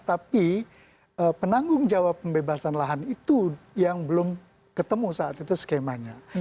tapi penanggung jawab pembebasan lahan itu yang belum ketemu saat itu skemanya